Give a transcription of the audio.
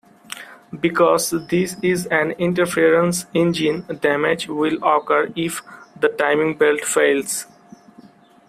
Because this is an interference engine, damage will occur if the timing belt fails.